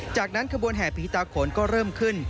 จากนั้นขบวนแห่ผีตาโขนก็เริ่มขึ้น